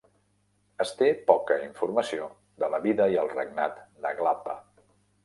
Es té poca informació de la vida i el regnat de Glappa.